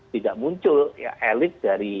tidak muncul elit dari